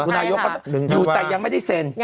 กรุงนายกเขาอยู่แต่ยังไม่ได้เซ็น